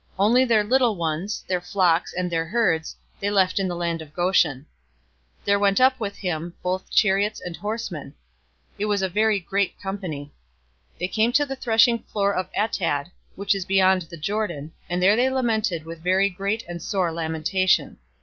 Only their little ones, their flocks, and their herds, they left in the land of Goshen. 050:009 There went up with him both chariots and horsemen. It was a very great company. 050:010 They came to the threshing floor of Atad, which is beyond the Jordan, and there they lamented with a very great and sore lamentation.